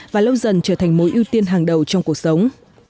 và lâu dần trở thành mối ưu tiên hàng đầu trong cuộc sống